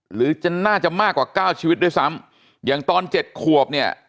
หรือจะน่าจะมากกว่าเก้าชีวิตด้วยซ้ำอย่างตอนเจ็ดขวบเนี่ย